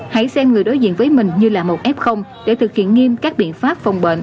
hãy xem người đối diện với mình như là một f để thực hiện nghiêm các biện pháp phòng bệnh